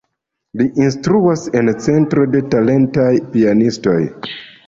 Li instruas en centro de talentaj pianistoj.